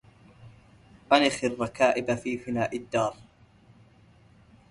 أنخ الركائب في فناء الدار